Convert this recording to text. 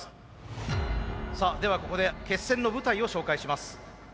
さあではここで決戦の舞台を紹介します。